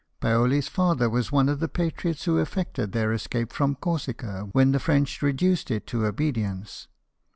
Paoli's father was one of the patriots who effected their escape from Corsica when the French reduced it to obedience.